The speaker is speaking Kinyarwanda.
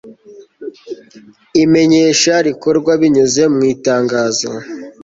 imenyesha rikorwa binyuze mu itangazo